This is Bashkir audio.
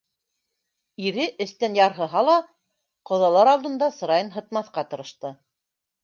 Ире, эстән ярһыһа ла, ҡоҙалар алында сырайын һытмаҫҡа тырышты.